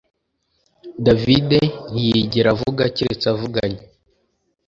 David ntiyigera avuga keretse avuganye